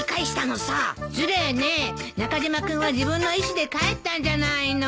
中島君は自分の意思で帰ったんじゃないの。